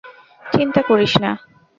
চিন্তা করিস না।